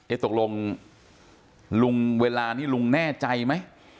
ตกลงลุงเวลานี้ลุงแน่ใจไหม